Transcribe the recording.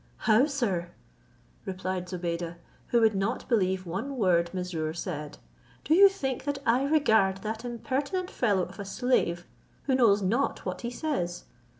"How, sir," replied Zobeide, who would not believe one word Mesrour said, "do you think that I regard that impertinent fellow of a slave, who knows not what he says?